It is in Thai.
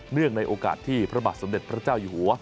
ในโอกาสที่พระบาทสมเด็จพระเจ้าอยู่หัว